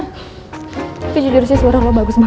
tapi jujur sih suara lo bagus banget